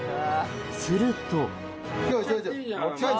すると。